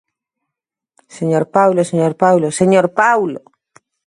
Señor Paulo, señor Paulo, ¡señor Paulo!